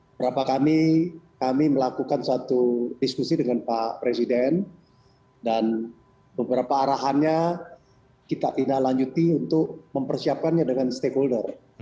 berapa kami melakukan satu diskusi dengan pak presiden dan beberapa arahannya kita tidak lanjuti untuk mempersiapkannya dengan stakeholder